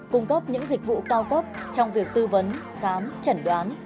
cung cấp những dịch vụ cao cấp trong việc tư vấn khám chẩn đoán